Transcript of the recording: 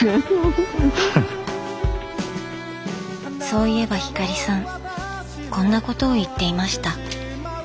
そういえば光さんこんなことを言っていました。